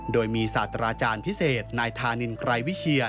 โดยมีศาสตราจารย์พิเศษนายธานินไกรวิเชีย